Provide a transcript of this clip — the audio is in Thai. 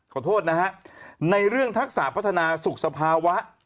ขอโทษนะฮะในเรื่องทักษะพัฒนาสุขสภาวะ